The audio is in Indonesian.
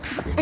eh sini sini